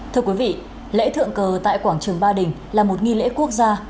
thưa quý vị lễ thượng cờ tại quảng trường ba đình là một nghi lễ quốc gia